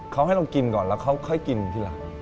เขาให้เรากินก่อนแล้วเขาค่อยกินทีหลัง